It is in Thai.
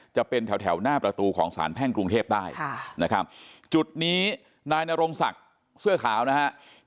จะเป็นแถวแถวหน้าประตูของสารแพ่งกรุงเทพได้นะครับจุดนี้นายนรงศักดิ์เสื้อขาวนะฮะ